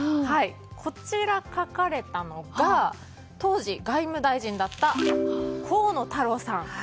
こちらを書かれたのが当時、外務大臣だった河野太郎さん。